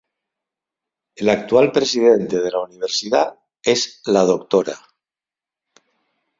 El actual presidente de la universidad es la Dra.